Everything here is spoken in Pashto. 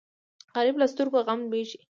غریب له سترګو غم لوېږي